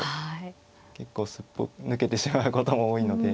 結構すっぽ抜けてしまうことも多いので。